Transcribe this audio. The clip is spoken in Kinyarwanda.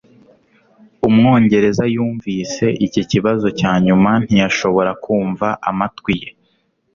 Umwongereza yumvise iki kibazo cyanyuma, ntiyashobora kumva amatwi ye